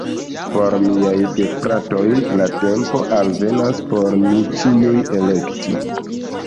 Por miaj gefratoj la tempo alvenas por ni ĉiuj elekti